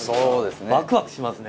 ワクワクしますね。